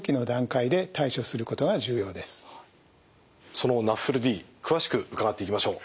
そのＮＡＦＬＤ詳しく伺っていきましょう。